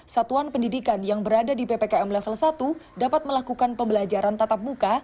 satuan pendidikan yang berada di ppkm level satu dapat melakukan pembelajaran tatap muka